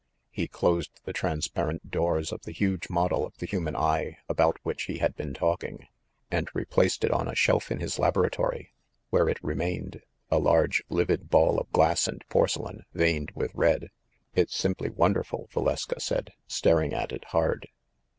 He closed the transparent doors of the huge model of the human eye about which he had been talking, and replaced it on a shelf in his laboratory, where it remained, a large livid ball of glass and porcelain, veined with red. "It's simply wonderful !" Valeska said, staring at it hard.